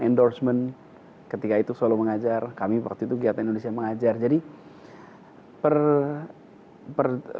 endorsement ketika itu selalu mengajar kami waktu itu giat indonesia mengajar jadi per per